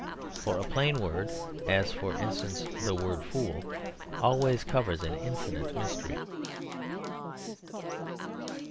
For a plain word (as for instance the word fool) always covers an infinite mystery.